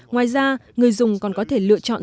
ngoài ra người dùng còn có thể lựa chọn